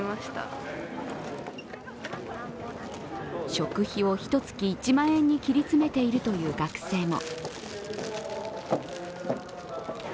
食費をひと月１万円に切り詰めているという学生も。